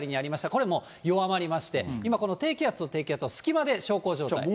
これは弱まりまして、今この低気圧と低気圧の隙間で小康状態。